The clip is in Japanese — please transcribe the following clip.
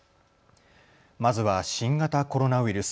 まずは新型コロナウイルス。